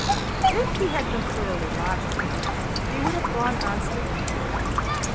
If he had been thoroughly logical he would have gone on sticking to it.